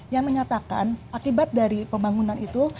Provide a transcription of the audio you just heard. yang menyatakan akibat dari pembangunan itu